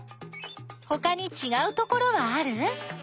ほかにちがうところはある？